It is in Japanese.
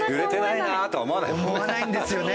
思わないんですよね